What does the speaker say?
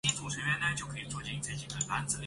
指令按顺序从原指令集翻译为目标指令集。